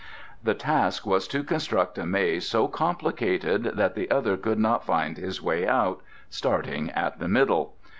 The task was to construct a maze so complicated that the other could not find his way out, starting at the middle.